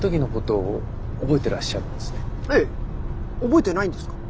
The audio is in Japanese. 覚えてないんですか？